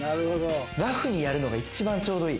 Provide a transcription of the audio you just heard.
ラフにやるのが一番ちょうどいい。